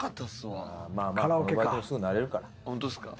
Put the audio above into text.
ホントっすか？